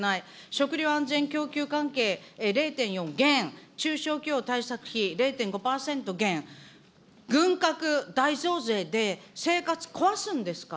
食料安全供給関係０．４減、中小企業対策費、０．５％減、軍拡大増税で、生活壊すんですか。